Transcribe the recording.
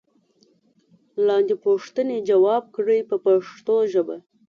لاندې پوښتنې ځواب کړئ په پښتو ژبه.